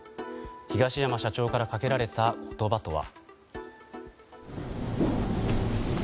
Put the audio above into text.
東山社長からかけられた言葉とは。